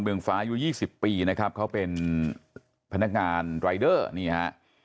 เบื้องฟ้าอยู่ยี่สิบปีนะครับเขาเป็นพนักงานรายเดอร์นี่ฮะ